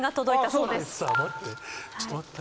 ちょっと待って。